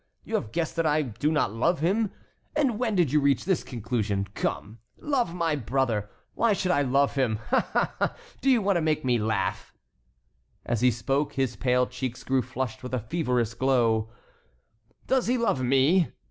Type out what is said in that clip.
You have guessed that I do not love him? And when did you reach this conclusion? Come! Love my brother! Why should I love him? Ah! ah! ah! Do you want to make me laugh?" As he spoke, his pale cheeks grew flushed with a feverish glow. "Does he love me?